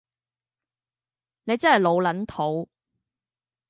你真係老撚土